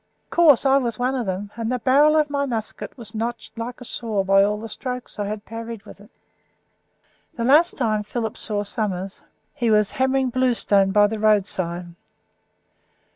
Of course I was one of them, and the barrel of my musket was notched like a saw by all the strokes I had parried with it." The last time Philip saw Summers he was hammering bluestone by the roadside.